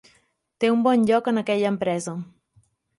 Té un bon lloc en aquella empresa.